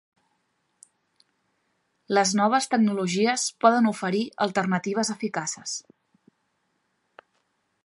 Les noves tecnologies poden oferir alternatives eficaces.